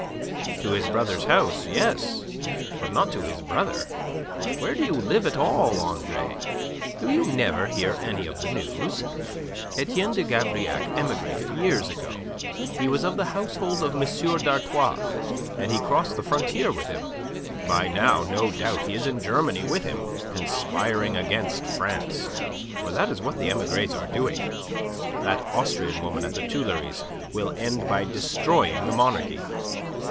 "To his brother's house, yes; but not to his brother. Where do you live at all, Andre? Do you never hear any of the news? Etienne de Gavrillac emigrated years ago. He was of the household of M. d'Artois, and he crossed the frontier with him. By now, no doubt, he is in Germany with him, conspiring against France. For that is what the emigres are doing. That Austrian woman at the Tuileries will end by destroying the monarchy."